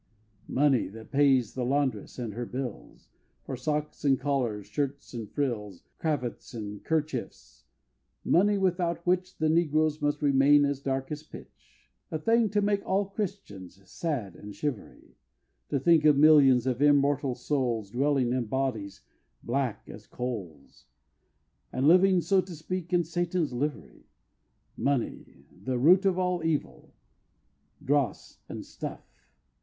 Money, that pays the laundress and her bills, For socks and collars, shirts and frills, Cravats and kerchiefs money, without which The negroes must remain as dark as pitch; A thing to make all Christians sad and shivery, To think of millions of immortal souls Dwelling in bodies black as coals, And living so to speak in Satan's livery! Money the root of evil, dross, and stuff!